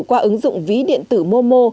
qua ứng dụng ví điện tử momo